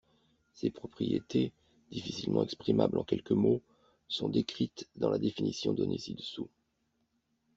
Ces propriétés, difficilement exprimables en quelques mots, sont décrites dans la définition donnée ci-dessous.